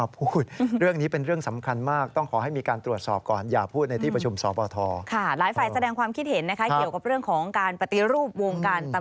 เปิดเผยเอามาในที่ประชุมสอบประทอ